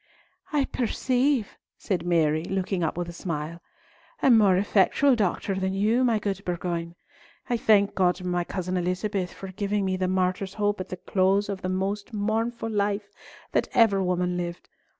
"I perceive," said Mary, looking up with a smile. "A more effectual Doctor than you, my good Bourgoin. I thank my God and my cousin Elizabeth for giving me the martyr's hope at the close of the most mournful life that ever woman lived.